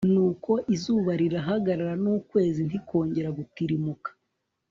nuko izuba rirahagarara, n'ukwezi ntikongera gutirimuka